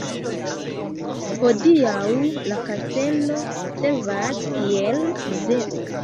Hodiaŭ la Kastelo servas kiel muzeo.